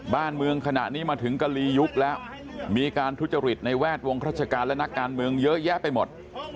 บ้านเมืองขณะนี้มาถึงกะลียุบแล้วมีการทุจริตในแวดวงราชการและนักการเมืองเยอะแยะไปหมด